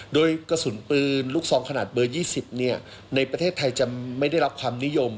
โดยกระสุนปืนลูกซองขนาดเบอร์๒๐ในประเทศไทยจะไม่ได้รับความนิยม